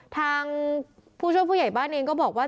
ทางผู้ช่วยผู้ใหญ่บ้านเองก็บอกว่า